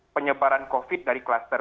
penyebaran covid dari kluster